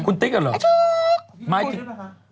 คุณติ๊กอ่ะเหรอไอ้ชุ๊ก